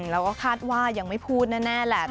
แล้วก็คาดว่ายังไม่พูดแน่แหละ